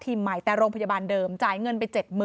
ใหม่แต่โรงพยาบาลเดิมจ่ายเงินไป๗๐๐